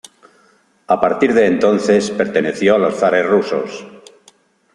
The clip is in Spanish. A partir de entonces perteneció a los zares rusos.